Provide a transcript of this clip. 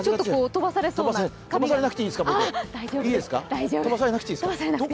飛ばされなくていいんですか、僕？